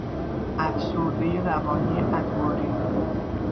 افسرده روانی ادواری